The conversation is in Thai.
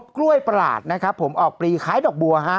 กล้วยประหลาดนะครับผมออกปลีคล้ายดอกบัวฮะ